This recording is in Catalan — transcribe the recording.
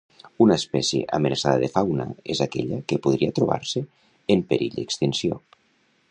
Una espècie amenaçada de fauna és aquella que podria trobar-se en perill extinció.